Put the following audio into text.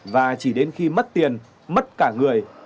và chỉ đến khi mất tiền mất cả người